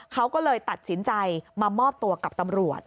เขาก็เลยตัดสินใจมามอบตัวกับตำรวจ